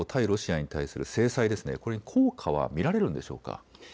ロシアに対する制裁、これに効果は見られるんでしょうか。